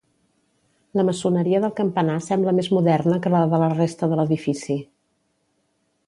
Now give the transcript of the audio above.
La maçoneria del campanar sembla més moderna que la de la resta de l'edifici.